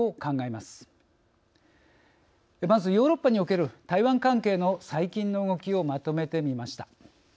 まず、ヨーロッパにおける台湾関係の最近の動きをまとめてみました。